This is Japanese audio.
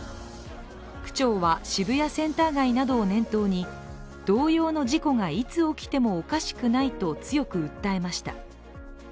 区長は渋谷センター街などを念頭に同様の事故がいつ起きてもおかしくないと強く訴えました。